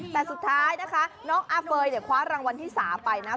แต่สุดท้ายนะคะน้องอาเฟย์เนี่ยคว้ารางวัลที่๓ไปนะ